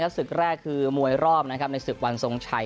ศึกแรกคือมวยรอบในศึกวันทรงชัย